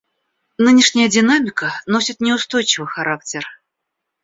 Нынешняя динамика носит неустойчивый характер.